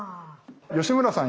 吉村さん